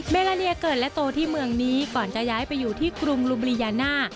ลาเนียเกิดและโตที่เมืองนี้ก่อนจะย้ายไปอยู่ที่กรุงลูบรียาน่า